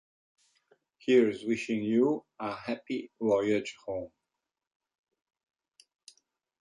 Here's wishing you a happy voyage home.